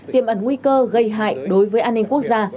tiềm ẩn nguy cơ gây hại đối với an ninh quốc gia